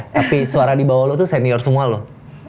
tapi suara di bawah lo tuh senior semua loh